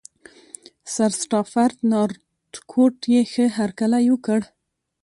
سرسټافرډ نارتکوټ یې ښه هرکلی وکړ.